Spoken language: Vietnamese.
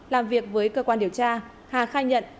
làm việc với cơ quan điều tra hà khai nhận